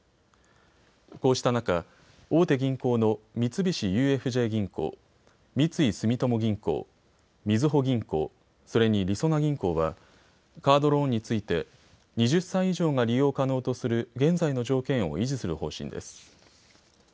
こうした中、大手銀行の三菱ＵＦＪ銀行、三井住友銀行、みずほ銀行、それに、りそな銀行はカードローンについて２０歳以上が利用可能とする現在の条件を維持する方針です。